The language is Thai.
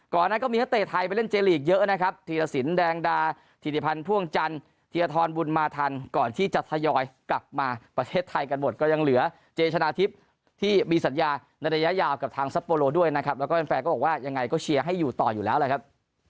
นั้นก็มีนักเตะไทยไปเล่นเจลีกเยอะนะครับธีรสินแดงดาธิริพันธ์พ่วงจันทร์ธีรทรบุญมาทันก่อนที่จะทยอยกลับมาประเทศไทยกันหมดก็ยังเหลือเจชนะทิพย์ที่มีสัญญาในระยะยาวกับทางซัปโปโลด้วยนะครับแล้วก็แฟนก็บอกว่ายังไงก็เชียร์ให้อยู่ต่ออยู่แล้วแหละครับ